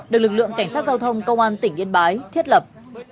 được lực lượng cảnh sát giao thông công an tỉnh yên bái thiết lập